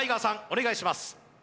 お願いします